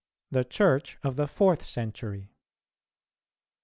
THE CHURCH OF THE FOURTH CENTURY.